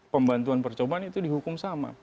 pembantuan percobaan itu dihukum sama